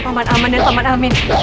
dikatakan paman aman dan paman amin